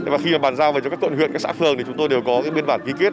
và khi mà bàn giao về cho các quận huyện các xã phường thì chúng tôi đều có biên bản ký kết